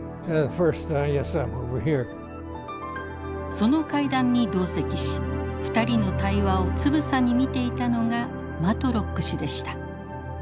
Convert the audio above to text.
その会談に同席し２人の対話をつぶさに見ていたのがマトロック氏でした。